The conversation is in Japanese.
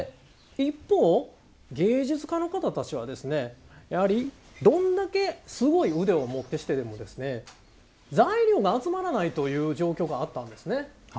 一方芸術家の方たちはやはりどんだけすごい腕をもってしてでも材料が集まらないという状況があったんですね。